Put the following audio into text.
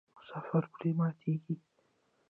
مسافر پرې ماتیږي.